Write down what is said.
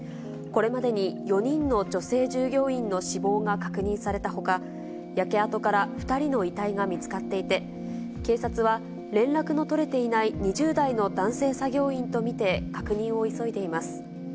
これまでに４人の女性従業員の死亡が確認されたほか、焼け跡から２人の遺体が見つかっていて、警察は連絡の取れていない２０代の男性作業員と見て、確認を急いでいます。